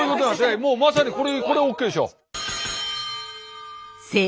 もうまさにこれこれＯＫでしょ！